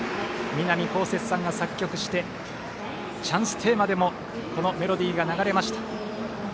南こうせつさんが作曲してチャンステーマでもこのメロディーが流れました。